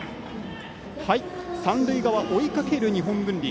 三塁側、追いかける日本文理。